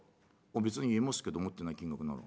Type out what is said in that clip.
「別に言えますけど思ってない金額なら。